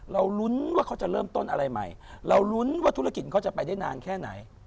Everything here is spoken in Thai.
ลุ้นว่าเขาจะเริ่มต้นอะไรใหม่เรารุ้นว่าธุรกิจเขาจะไปได้นานแค่ไหน